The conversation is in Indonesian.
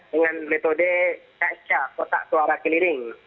dengan metode kaca kotak suara keliling